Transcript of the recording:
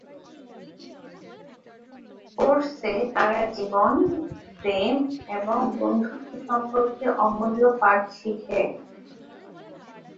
কোর্সে তারা জীবন, প্রেম এবং বন্ধুত্ব সম্পর্কে অমূল্য পাঠ শিখে।